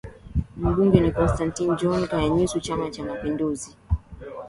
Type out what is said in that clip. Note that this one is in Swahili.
mbunge ni Costantine John Kanyansu Chama cha mapinduzi